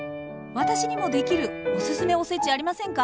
私にもできるオススメおせちありませんか？